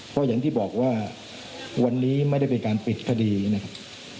เพราะอย่างที่บอกว่าวันนี้ไม่ได้เป็นการปิดคดีนะครับ